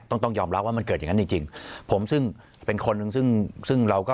ต้องต้องยอมรับว่ามันเกิดอย่างงั้นจริงจริงผมซึ่งเป็นคนหนึ่งซึ่งซึ่งเราก็